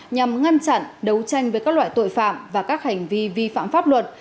nhằm ngăn chặn đấu tranh với các loại tội phạm và các hành vi vi phạm pháp luật